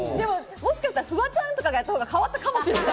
もしかしたら、フワちゃんとかがやったほうが変わったかもしれない。